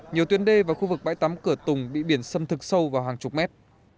nhiều tuyến đê và khu vực bãi tắm cửa tùng bị biển sâm thực sâu vào hàng chục mét